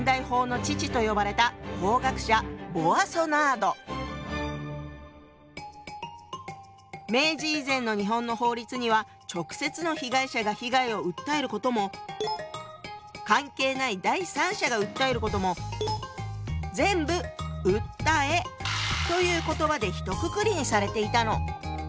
後に明治以前の日本の法律には直接の被害者が被害を訴えることも関係ない第三者が訴えることも全部「訴」という言葉でひとくくりにされていたの。